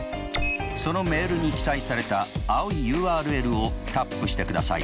そのメールに記載された青いＵＲＬをタップしてください。